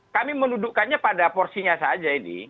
kami menudukkannya pada porsinya saja ini